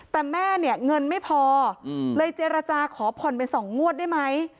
แต่แม่เนี่ยเงินไม่พอเลยเจรจาขอผ่อนเป็น๒งวดได้ไหม